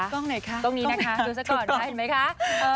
ตรงไหนคะตรงนี้นะคะดูซะก่อนเห็นไหมคะ